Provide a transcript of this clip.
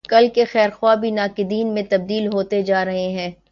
کل کے خیر خواہ بھی ناقدین میں تبدیل ہوتے جارہے ہیں۔